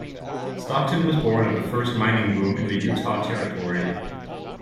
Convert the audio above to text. Stockton was born of the first mining boom in the Utah Territory.